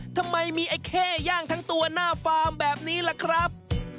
ทำไมมีไอ้เข้ย่างทั้งตัวหน้าฟาร์มแบบนี้ล่ะครับ